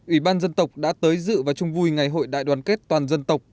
ủy ban dân tộc đã tới dự và chung vui ngày hội đại đoàn kết toàn dân tộc